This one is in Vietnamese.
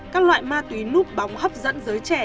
các loại ma túy núp bóng đã xuất hiện từ nước ta từ lâu